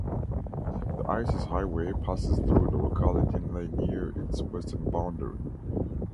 The Isis Highway passes through the locality near its western boundary.